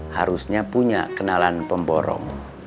harusnya punya kenalan pemborong